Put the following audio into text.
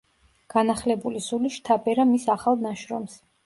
განახლებული სული შთაბერა მის ახალ ნაშრომს.